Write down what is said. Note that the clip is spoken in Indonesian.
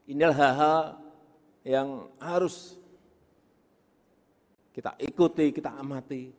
inilah hal hal yang harus kita ikuti kita amati